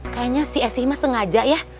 kayanya si aceh mah sengaja ya